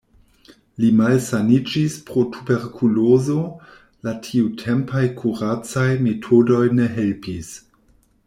Li malsaniĝis pro tuberkulozo, la tiutempaj kuracaj metodoj ne helpis.